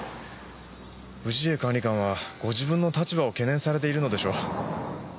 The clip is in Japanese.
氏家管理官はご自分の立場を懸念されているのでしょう。